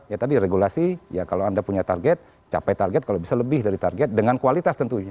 ya tadi regulasi ya kalau anda punya target capai target kalau bisa lebih dari target dengan kualitas tentunya